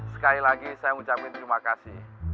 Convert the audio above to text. sekali lagi saya ucapkan terima kasih